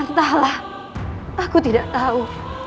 entahlah aku tidak tahu